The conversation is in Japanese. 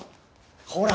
ほら！